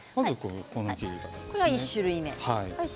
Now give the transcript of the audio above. これは１種類目。